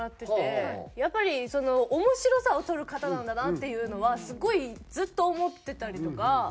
やっぱり面白さを取る方なんだなっていうのはすごいずっと思ってたりとか。